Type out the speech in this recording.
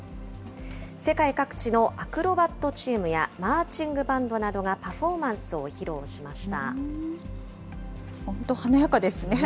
世界各地のアクロバットチームや、マーチングバンドなどがパフォーマンスを披露しました。